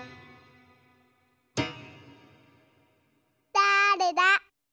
だれだ？